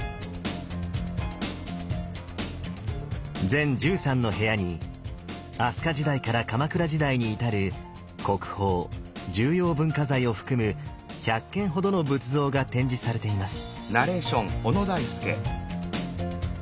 全１３の部屋に飛鳥時代から鎌倉時代に至る国宝重要文化財を含む１００件ほどの仏像が展示されています。